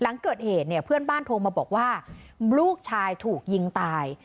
หลังเกิดเหตุเนี่ยเพื่อนบ้านโทรมาบอกว่าลูกชายถูกยิงตาย